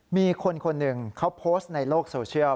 มีคนคนหนึ่งเขาโพสต์ในโลกโซเชียล